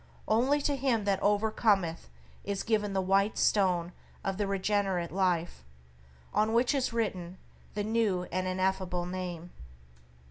Only to him that overcometh is given the white stone of the regenerate life, on which is written the New and Ineffable Name.